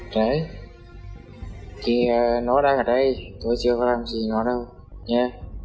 đấy thì nó đang ở đây tôi chưa có làm gì với nó đâu nhé